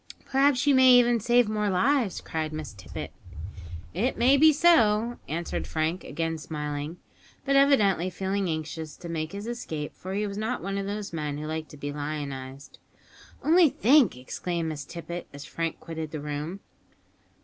"Perhaps you may even save more lives!" cried Miss Tippet. "It may be so," answered Frank, again smiling, but evidently feeling anxious to make his escape, for he was not one of those men who like to be lionised. "Only think!" exclaimed Miss Tippet as Frank quitted the room.